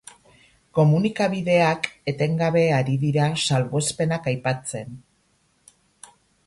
Komunikabideak etengabe ari dira salbuespena aipatzen.